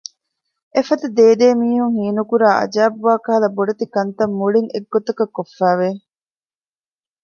އެފަދަ ދޭދޭ މީހުން ހީނުކުރާ އަޖައިބު ވާކަހަލަ ބޮޑެތި ކަންތައް މުޅިން އެއްގޮތަކަށް ކޮށްފައިވެ